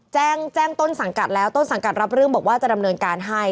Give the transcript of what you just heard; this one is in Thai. แจ้งแจ้งต้นสังกัดแล้วต้นสังกัดรับเรื่องบอกว่าจะดำเนินการให้